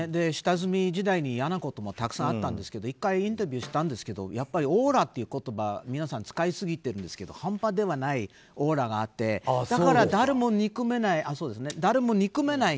下積み時代に、いやなこともたくさんあったんですけど１回インタビューしたんですけどオーラという言葉を皆さん使いすぎているんですけど半端ではないオーラがあってだから誰も憎めないんですよね。